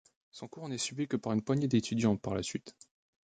Son cours n'est suivi que par une poignée d'étudiants par la suite.